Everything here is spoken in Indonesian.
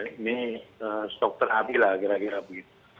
ini stok terapi lah kira kira begitu